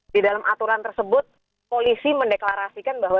di dalam aturan tersebut polisi mendeklarasikan bahwa